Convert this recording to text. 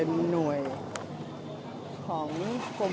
สวัสดีครับ